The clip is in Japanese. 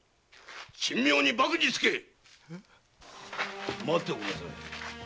神妙に縛につけい待っておくんなさい。